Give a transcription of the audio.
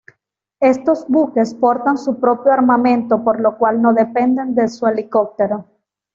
Estos buques portan su propio armamento, por lo cual no dependen de su helicóptero.